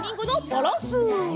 バランス！